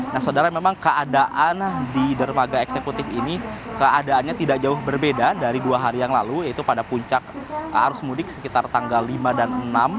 nah saudara memang keadaan di dermaga eksekutif ini keadaannya tidak jauh berbeda dari dua hari yang lalu yaitu pada puncak arus mudik sekitar tanggal lima dan enam